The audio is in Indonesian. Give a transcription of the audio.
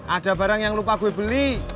ada barang yang lupa gue beli